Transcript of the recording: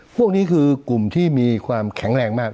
พวกนี้คือกลุ่มที่มีความแข็งแรงมาก